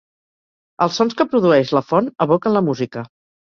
Els sons que produeix la font evoquen la música.